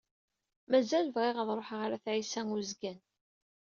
Mazal bɣiɣ ad ṛuḥeɣ ɣer At Ɛisa Uzgan.